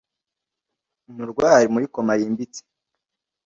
Umurwayi ari muri koma yimbitse